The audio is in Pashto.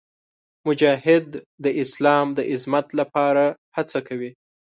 مجاهد د اسلام د عظمت لپاره هڅه کوي.